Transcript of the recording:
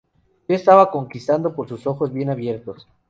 Yo estaba conquistado por sus ojos bien abiertos.